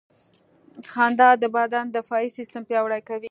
• خندا د بدن دفاعي سیستم پیاوړی کوي.